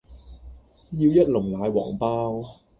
要一籠奶黃包